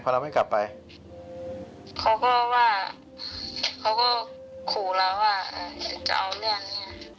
พอเราไม่กลับไปเขาก็ว่าเขาก็ขู่แล้วอ่ะจะเอาเรื่องอันนี้